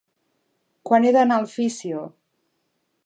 Quan he d'anar al físio?